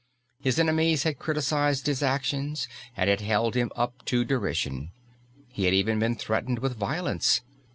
His enemies had criticised his actions and had held him up to derision. He had even been threatened with violence.